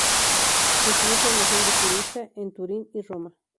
Recibió formación de jurista en Turín y Roma.